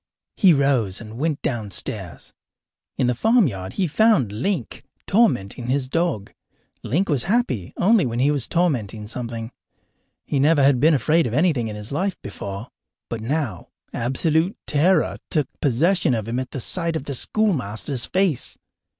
He rose and went downstairs. In the farmyard he found Link tormenting his dog. Link was happy only when he was tormenting something. He never had been afraid of anything in his life before, but now absolute terror took possession of him at sight of the schoolmaster's face.